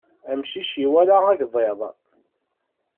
Amcic iwala agḍiḍ.